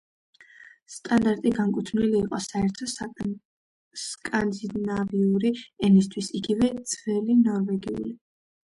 სტანდარტი განკუთვნილი იყო საერთო სკანდინავიური ენისთვის, იგივე ძველი ნორვეგიული.